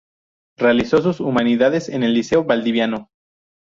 Realizó sus humanidades en el liceo valdiviano.